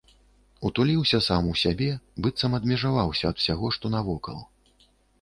Утуліўся сам у сябе, быццам адмежаваўся ад усяго, што навокал.